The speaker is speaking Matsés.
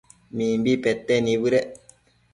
Mimbi pete nibëdec